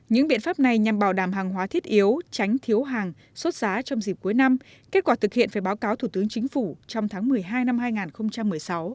những biện pháp này nhằm bảo đảm hàng hóa thiết yếu tránh thiếu hàng sốt giá trong dịp cuối năm kết quả thực hiện phải báo cáo thủ tướng chính phủ trong tháng một mươi hai năm hai nghìn một mươi sáu